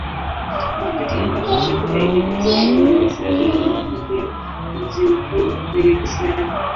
Wakati ambako Serbia ilikuwa sehemu ya Yugoslavia ilikuwa pia mji mkuu wa Yugoslavia.